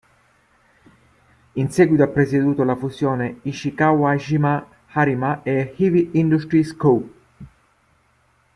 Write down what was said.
In seguito ha presieduto la fusione Ishikawajima-Harima e "Heavy Industries Co.